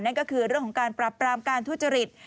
นั่นก็คือเรื่องของการปรับปรามการทุจริต